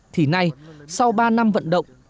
thì nay sau ba năm vận động